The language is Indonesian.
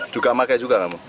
juga pakai juga kamu